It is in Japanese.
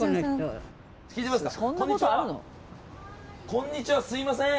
こんにちはすみません！